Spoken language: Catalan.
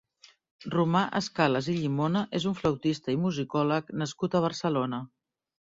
Romà Escalas i Llimona és un flautista i musicòleg nascut a Barcelona.